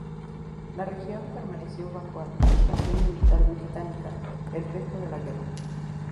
La región permaneció bajo administración militar británica el resto de la guerra.